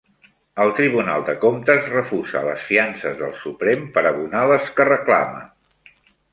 El Tribunal de comptes refusa les fiances del Suprem per abonar les que reclama